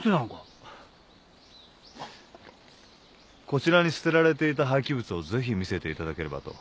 こちらに捨てられていた廃棄物をぜひ見せていただければと。